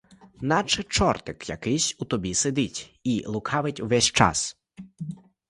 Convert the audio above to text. Наче чортик якийсь у тобі сидить і лукавить увесь час.